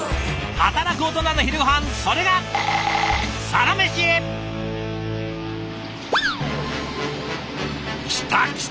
働くオトナの昼ごはんそれが来た来た！